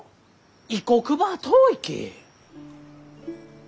異国ばあ遠いき。